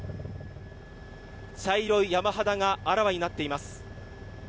茶色い山肌があらわになっています。